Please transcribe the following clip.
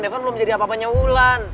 telepon belum jadi apa apanya wulan